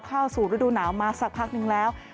เข้าสู่ฤดูหนาวมาสักพักนึงแล้ว